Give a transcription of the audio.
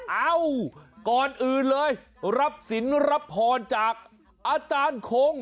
เอ้าก่อนอื่นเลยรับสินรับพรจากอาจารย์คง